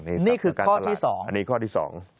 นี่คือข้อที่๒อันนี้ข้อที่๒